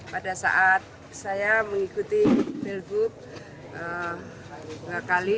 pada saat saya mengikuti pilgub dua kali